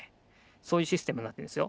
そういうシステムになってるんですよ。